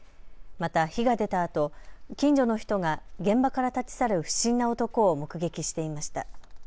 また火が出たあと近所の人が現場から立ち去る不審な男を目撃していました。